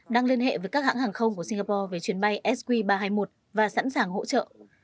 đang liên hệ với các hãng hàng không của singapore về chuyến bay sq ba trăm hai mươi một và sẵn sàng hỗ trợ